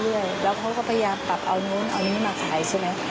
แล้วพวกเขาก็พยายามปรับเอานู้นเอานี้มาขายสินะ